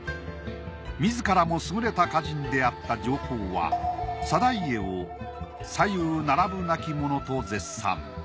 みずからもすぐれた歌人であった上皇は定家を左右並ぶ無き者と絶賛。